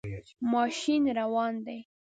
ماشین روان دی